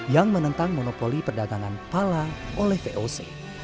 yang menentang monopoli perdagangan pala oleh voc